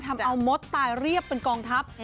ทำเอามดตายเรียบเป็นกองทัพ